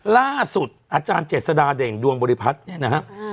ล่าสุดอาจารย์เจษฎาเด่งดวงบริพัฒน์เนี่ยนะครับ